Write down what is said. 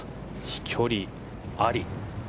飛距離あり。